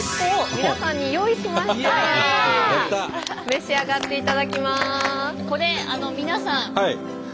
召し上がっていただきます。